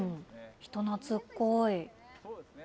人懐っこい。